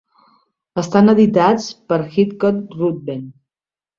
Estan editats per Heathcote Ruthven.